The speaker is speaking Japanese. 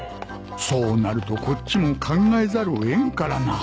そうなるとこっちも考えざるを得んからな